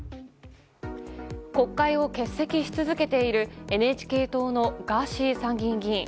国会を欠席し続けているＮＨＫ党のガーシー参議院議員。